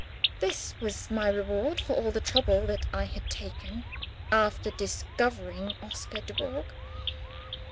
This was my reward for all the trouble that I had taken to discover Oscar Dubourg!